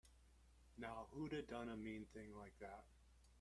Now who'da done a mean thing like that?